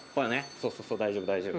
そうそうそう大丈夫大丈夫。